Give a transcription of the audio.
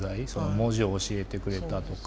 文字を教えてくれたとか。